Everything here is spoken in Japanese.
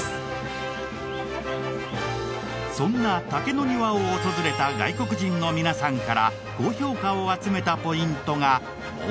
そんな竹の庭を訪れた外国人の皆さんから高評価を集めたポイントがもう一つ。